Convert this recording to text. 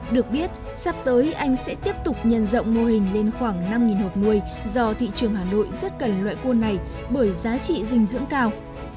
được biết sắp tới anh sẽ tiếp tục nhân rộng mô hình lên khoảng năm hộp nuôi do thị trường hà nội rất cần loại cuôn này bởi giá trị dinh dưỡng cao